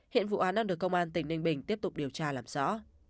hiện vụ án đang được công an tỉnh ninh bình tiếp tục điều tra làm rõ